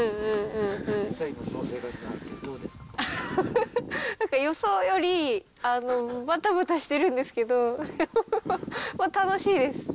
実際、なんか予想よりばたばたしてるんですけど、楽しいです。